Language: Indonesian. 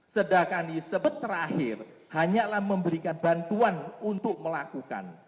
sedangkan disebut terakhir hanyalah memberikan bantuan untuk melakukan